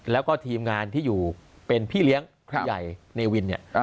แล้วก็ทีมงานที่อยู่เป็นพี่เลี้ยงผู้ใหญ่เนวินเนี่ย